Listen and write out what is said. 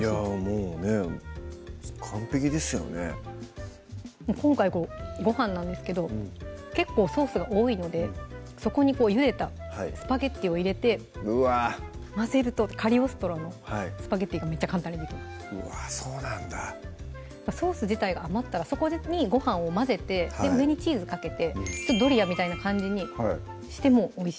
もうね完璧ですよね今回ごはんなんですけど結構ソースが多いのでそこにゆでたスパゲッティを入れて混ぜるとカリオストロのスパゲッティがめっちゃうわぁそうなんだソース自体が余ったらそこにごはんを混ぜて上にチーズかけてドリアみたいな感じにしてもおいしいです